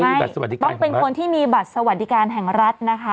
ใช่ต้องเป็นคนที่มีบัตรสวัสดิการแห่งรัฐนะคะ